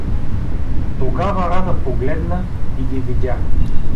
Тогава Рада погледна и ги видя.